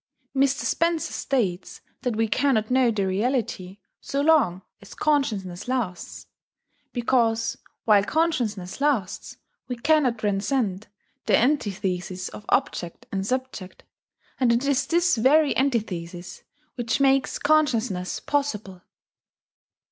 Mr. Spencer states that we cannot know the Reality so long as consciousness lasts, because while consciousness lasts we cannot transcend the antithesis of Object and Subject, and it is this very antithesis which makes consciousness possible.